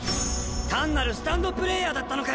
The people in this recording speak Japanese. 単なるスタンドプレーヤーだったのかよ！